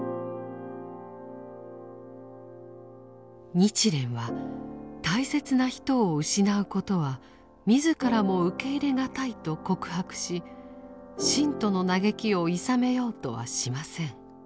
日蓮は大切な人を失うことは自らも受け入れ難いと告白し信徒の嘆きをいさめようとはしません。